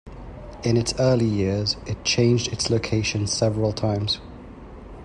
In its early years, it changed its location several times.